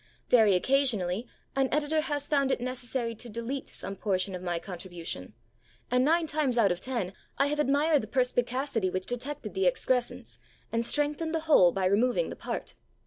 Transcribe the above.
Very occasionally an editor has found it necessary to delete some portion of my contribution, and, nine times out of ten, I have admired the perspicacity which detected the excrescence and strengthened the whole by removing the part.